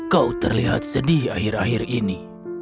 kau terlihat sedih akhir akhir ini